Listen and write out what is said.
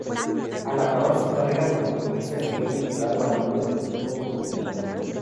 Al acabar su carrera como futbolista, siguió vinculado al mundo del fútbol como entrenador.